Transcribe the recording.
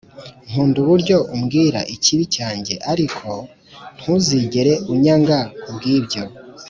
nkunda uburyo umbwira ikibi cyanjye ariko ntuzigere unyanga kubwibyo.